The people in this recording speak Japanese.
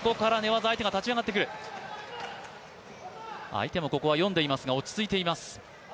相手もここは読んでいますが落ち着いています。